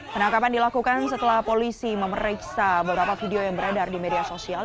penangkapan dilakukan setelah polisi memeriksa beberapa video yang beredar di media sosial